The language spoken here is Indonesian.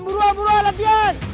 buruan buruan latihan